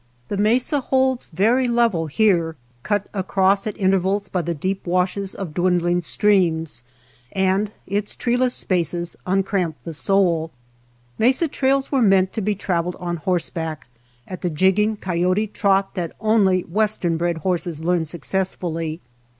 The mesa holds very level here, cut 143 THE MESA TRAIL across at intervals by the deep washes of dwindling streams, and its treeless spaces uncramp the soul. Mesa trails were meant to be traveled /on horseback, at the jigging coyote trot ( that only western bred horses learn suc ' cessfully.